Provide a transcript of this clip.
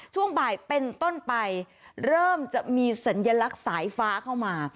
ช่วงบ่ายเป็นต้นไปเริ่มจะมีสัญลักษณ์สายฟ้าเข้ามา